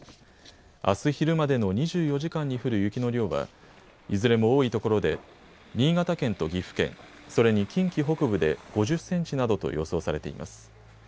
あす昼までの２４時間に降る雪の量はいずれも多いところで新潟県と岐阜県、それに近畿北部で５０センチなどと予想されています。